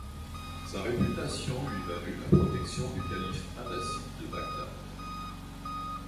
Sa réputation lui valut la protection du calife abbasside de Bagdad.